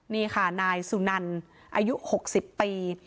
นี่ค่ะนายสุนันอายุ๖๐ปี